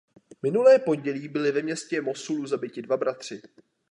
Minulé pondělí byli ve městě Mosúlu zabiti dva bratři.